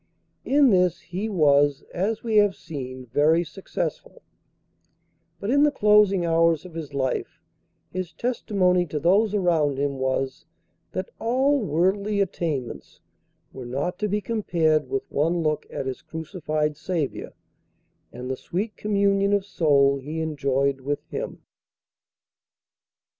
In this he was, as we have seen, very successful; but in the closing hours of his life his testimony to those around him was, that all worldly attainments were not to be compared with one look at his crucified Saviour, and the sweet communion of soul he enjoyed with Him.